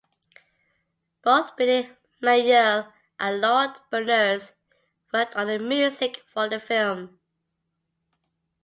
Both Billy Mayerl and Lord Berners worked on the music for the film.